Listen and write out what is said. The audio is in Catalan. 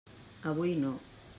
Avui no.